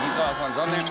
残念。